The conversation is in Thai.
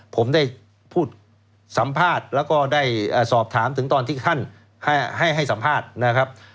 ผมได้พูดสัมภาษณ์แล้วก็ได้สอบถามถึงตอนที่ท่านให้สัมภาษณ์นะครับ